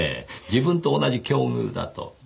自分と同じ境遇だと。